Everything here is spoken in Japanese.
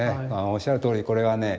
おっしゃるとおりこれはね